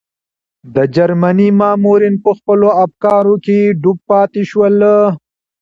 د جرمني مامورین په خپلو افکارو کې ډوب پاتې شول.